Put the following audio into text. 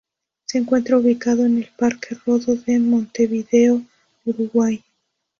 Se encuentra ubicado en el Parque Rodó de Montevideo, Uruguay.